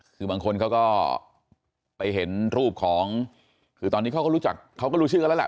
คือบางคนเขาก็ไปเห็นรูปของคือตอนนี้เขาก็รู้ชื่อแล้วล่ะ